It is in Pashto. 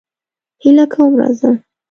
هیله کوم راځه.